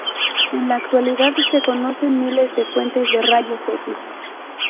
En la actualidad se conocen miles de fuentes de rayos-x.